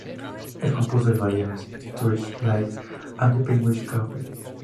Él compuso el ballet "Still Life at the Penguin Cafe".